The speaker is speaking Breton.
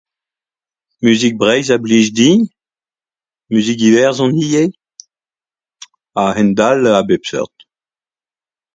Musik Breizh a blij din, musik Iwerzhon ivez. A hend-all a bep seurt